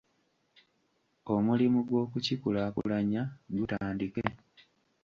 Omulimu gw’okukikulaakulanya gutandike.